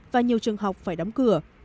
và nhiều trường học phải đóng cửa